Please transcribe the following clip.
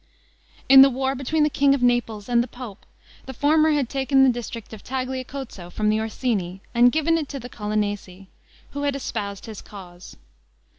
In the war between the king of Naples and the pope, the former had taken the district of Tagliacozzo from the Orsini, and given it to the Colonnesi, who had espoused his cause.